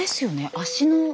足の。